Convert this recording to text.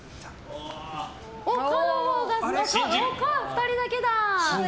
可、２人だけだ。